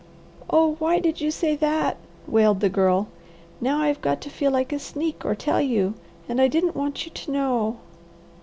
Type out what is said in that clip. "Oh why did you say that?" wailed the Girl. "Now I've got to feel like a sneak or tell you and I didn't want you to know."